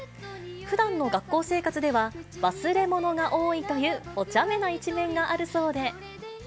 ふだんの学校生活では、忘れ物が多いというおちゃめな一面があるそうで。